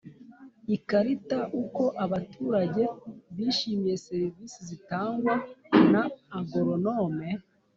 Ikarita uko abaturage bishimiye serivisi zitangwa na agoronome